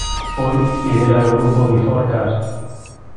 Hoy, lidera el grupo Before Cars.